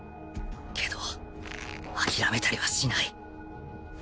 けど諦めたりはしない